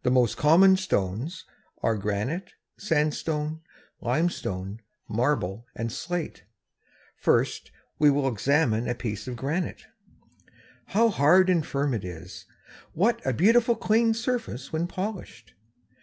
_ The more common stones are granite, sandstone; limestone, marble, and slate. We will first examine a piece of granite. How hard and firm it is! What a beautiful clean surface when polished!